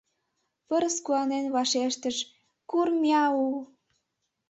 Пырыс куанен вашештыш: «Кур-миау-у-у!»